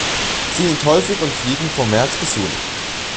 Sie sind häufig und fliegen von März bis Juni.